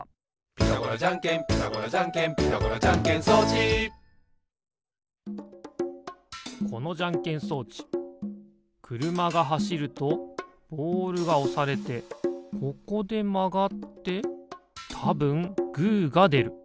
「ピタゴラじゃんけんピタゴラじゃんけん」「ピタゴラじゃんけん装置」このじゃんけん装置くるまがはしるとボールがおされてここでまがってたぶんグーがでる。